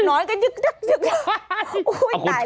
หนอนกันยังจะโอ๊ยตายแล้ว